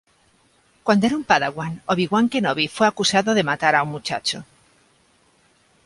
Cuando era un Padawan, Obi-Wan Kenobi fue acusado de matar a un muchacho.